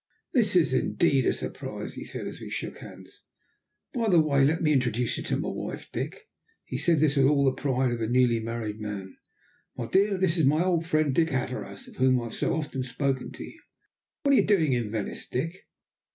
"This is indeed a surprise," he said, as we shook hands. "By the way, let me introduce you to my wife, Dick." He said this with all the pride of a newly married man. "My dear, this is my old friend, Dick Hatteras, of whom I have so often spoken to you. What are you doing in Venice, Dick?"